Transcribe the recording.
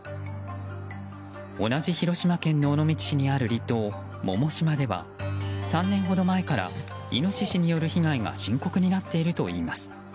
同じ広島県の尾道市にある離島百島では３年ほど前からイノシシによる被害が深刻になっているといいます。